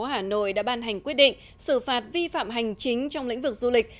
hà nội đã ban hành quyết định xử phạt vi phạm hành chính trong lĩnh vực du lịch